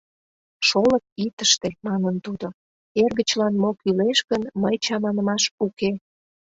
— Шолып ит ыште, — манын тудо, — эргычлан мо кӱлеш гын, мый чаманымаш уке...